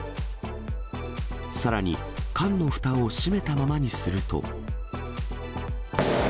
さらに缶のふたを閉めたままにすると。